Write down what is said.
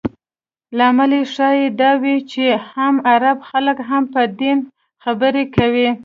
لامل یې ښایي دا وي چې عام عرب خلک هم په دین خبر دي.